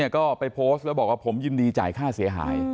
ก็ไปโพสต์แล้วบอกว่าผมยินดีจ่ายค่าเสียหาย